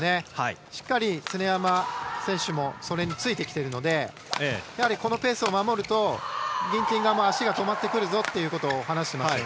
しっかり常山選手もそれについてきているのでこのペースを守るとギンティン側も足が止まるということを話していました。